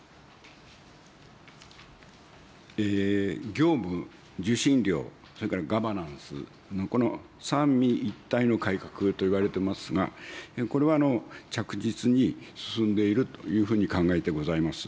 業務、受信料、それからガバナンス、この三位一体の改革といわれてますが、これは着実に進んでいるというふうに考えてございます。